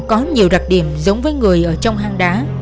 có nhiều đặc điểm giống với người ở trong hang đá